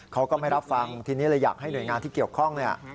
เขาก็ไม่รับฟังทีนี้เลยอยากให้หน่วยงานที่เกี่ยวข้องเนี่ย